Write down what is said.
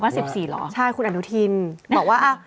ว่า๑๔หรอใช่คุณอนุทินบอกว่า